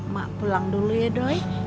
mak pulang dulu ya doy